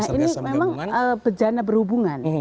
nah ini memang bejana berhubungan